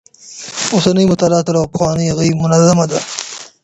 اوسنۍ مطالعه تر پخوانۍ هغې منظمه ده.